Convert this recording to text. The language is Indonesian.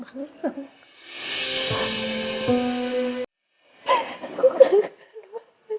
aku bangun bangun bangun